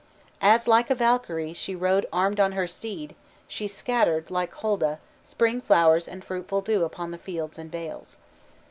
As, like a Valkyrie, she rode armed on her steed, she scattered, like Holda, spring flowers and fruitful dew upon the fields and vales.